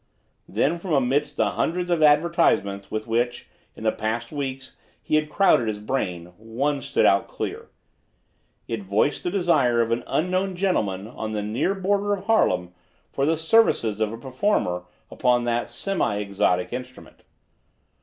Then from amidst the hundreds of advertisements with which, in the past weeks, he had crowded his brain, one stood out clear. It voiced the desire of an unknown gentleman on the near border of Harlem for the services of a performer upon that semi exotic instrument.